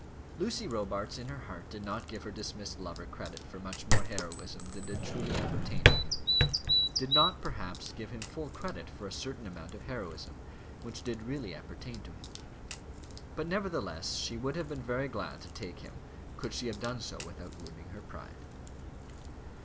Lucy Robarts in her heart did not give her dismissed lover credit for much more heroism than did truly appertain to him; did not, perhaps, give him full credit for a certain amount of heroism which did really appertain to him; but, nevertheless, she would have been very glad to take him could she have done so without wounding her pride.